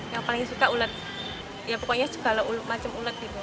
yang paling suka ulat ya pokoknya segala macam ulat gitu